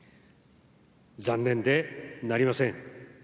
残念でなりません。